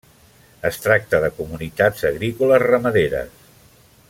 Es tracte de comunitats agrícoles ramaderes.